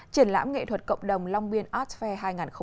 triển lãm nghệ thuật cộng đồng long biên art fair hai nghìn hai mươi